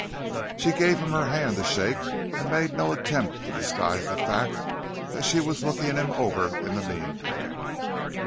She gave him her hand to shake, and made no attempt to disguise the fact that she was looking him over in the meantime.